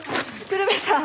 鶴瓶さん。